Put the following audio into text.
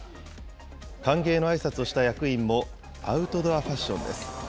歓迎のあいさつをした役員もアウトドアファッションです。